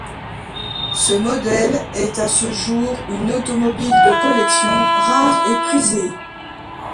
Ce modèle est à ce jour une automobile de collection rare et prisée.